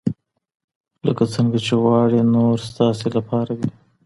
لکه څنګه چې غواړئ نور ستاسې لپاره وي.